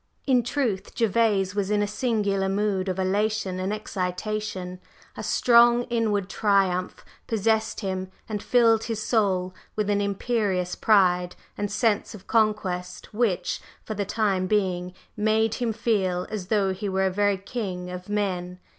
In truth Gervase was in a singular mood of elation and excitation; a strong inward triumph possessed him and filled his soul with an imperious pride and sense of conquest which, for the time being, made him feel as though he were a very king of men.